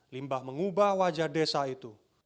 limbah mengubah wajah desa itu